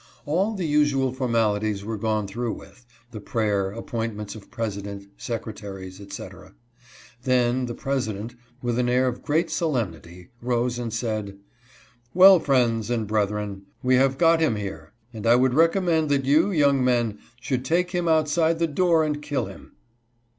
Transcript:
All the usual formalities were gone through with, the prayer, appointments of president, secretaries, etc Then the president, with an air of great solemnity, rose and said :" Well, friends and brethren, we have got him here, and I would recommend that you, young men, should take him outside the door and kill him."